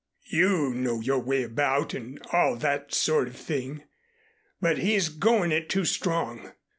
You know your way about and all that sort of thing, but he's going it too strong.